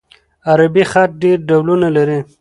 عربي خط ډېر ډولونه لري.